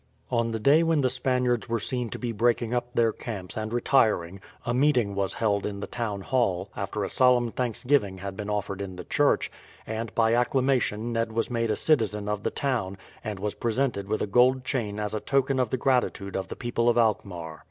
On the day when the Spaniards were seen to be breaking up their camps and retiring, a meeting held in the town hall, after a solemn thanksgiving had been offered in the church, and by acclamation Ned was made a citizen of the town, and was presented with a gold chain as a token of the gratitude of the people of Alkmaar.